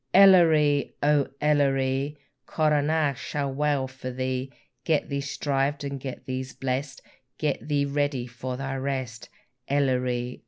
Elleree! O Elleree! Coronach shall wail for thee; Get thee shrived and get thee blest, Get thee ready for thy rest, Elleree!